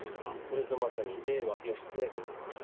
これぞまさに『令和義経伝』ですね。